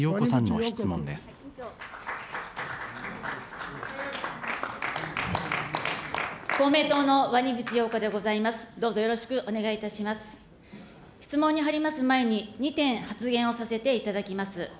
質問に入ります前に、２点、発言をさせていただきます。